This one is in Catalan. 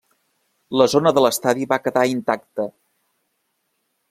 La zona de l'estadi va quedar intacta.